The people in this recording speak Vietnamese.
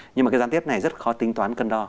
nhưng mà cái gián tiếp này rất khó tính toán cân đo